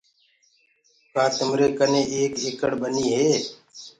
ڪآ تمرآ ڪني ايڪ ايڪڙ ٻني هي؟